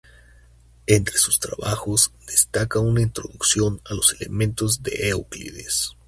Entre sus trabajos destaca una introducción a los elementos de Euclides.